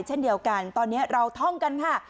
เช่นเดียวกันตอนนี้เราท่องกันค่ะ